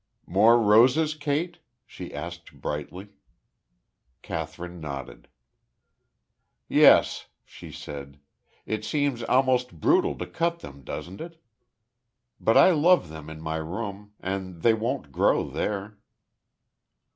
"More roses, Kate?" she asked, brightly. Kathryn nodded. "Yes," she said. "It seems almost brutal to cut them, doesn't it? But I love them in my room; and they won't grow there."